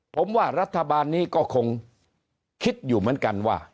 ผมว่ารัฐบาลนี้ก็คงคิดอยู่เหมือนกันว่า